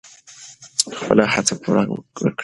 خپله هڅه پوره وکړئ.